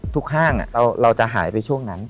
ห้างเราจะหายไปช่วงนั้น